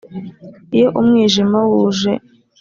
Iyo umwijima wuje